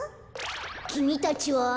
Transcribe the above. きみたちは？